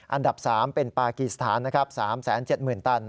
อันดับ๓เป็นปากีสถานนะครับ๓๗๐๐ตัน